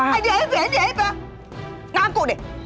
aduh aduh aduh ngaku deh